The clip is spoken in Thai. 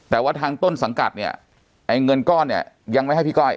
แต่ว่าทางต้นสังกัดเนี่ยไอ้เงินก้อนเนี่ยยังไม่ให้พี่ก้อย